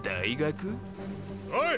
おい！